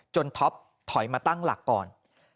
ท็อปถอยมาตั้งหลักก่อน